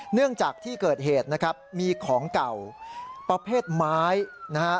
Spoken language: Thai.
เนื่องจากที่เกิดเหตุนะครับมีของเก่าประเภทไม้นะฮะ